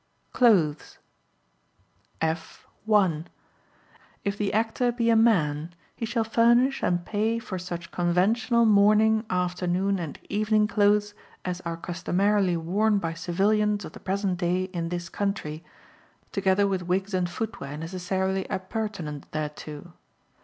Clothes F. (1) If the Actor be a man, he shall furnish and pay for such conventional morning, afternoon and evening clothes as are customarily worn by civilians of the present day in this country, together with wigs and footwear necessarily appurtenant thereto.